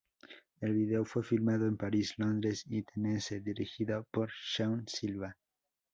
El video fue filmado en París, Londres y Tennessee, dirigido por Shaun Silva.